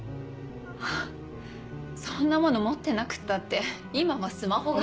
そんなもの持ってなくったって今はスマホが。